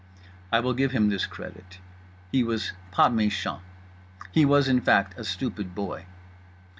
I will give him this credit: he was pas méchant, he was, in fact, a stupid boy.